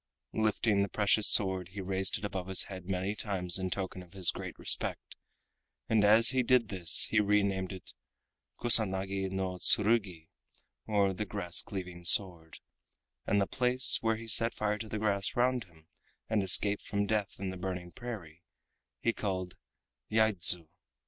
Lifting the precious sword he raised it above his head many times in token of his great respect, and as he did this he re named it Kusanagi no Tsurugi or the Grass Cleaving Sword, and the place where he set fire to the grass round him and escaped from death in the burning prairie, he called Yaidzu.